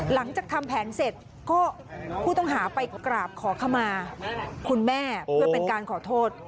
หลังจากทำแผนเสร็จก็ผู้ต้องหาไปกราบขอขมาคุณแม่เพื่อเป็นการขอโทษ